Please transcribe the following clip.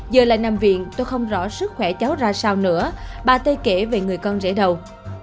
giờ lại nằm viện tôi không rõ sức khỏe cháu ra sao nữa bà tôi kể về người con rể đầu